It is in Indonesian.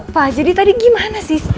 pak jadi tadi gimana sih